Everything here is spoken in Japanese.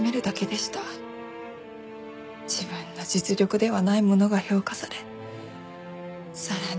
自分の実力ではないものが評価されさらに